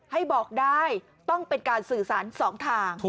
ให้บอกได้ต้องเป็นการสื่อสารสองทาง